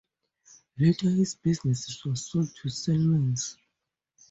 Later this business was sold to Siemens.